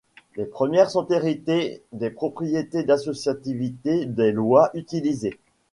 Les premières sont héritées des propriétés d'associativité des lois utilisées.